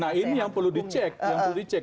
nah ini yang perlu dicek